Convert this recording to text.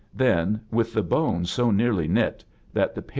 Then, ir with the bone so nearly knit that the pa